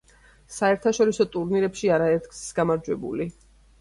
საერთაშორისო ტურნირებში არაერთგზის გამარჯვებული.